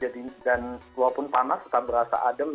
dan walaupun panas saya berasa adem